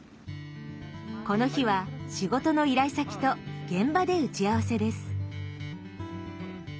この日は仕事の依頼先と現場で打ち合わせです。